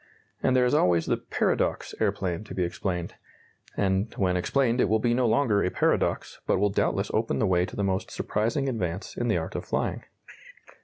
And there is always the "paradox aeroplane" to be explained and when explained it will be no longer a paradox, but will doubtless open the way to the most surprising advance in the art of flying.